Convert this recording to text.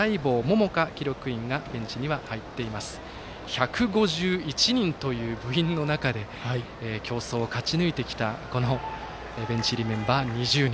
１５１人という部員の中で競争を勝ち抜いてきたベンチ入りメンバー、２０人。